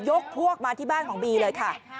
พวกมาที่บ้านของบีเลยค่ะ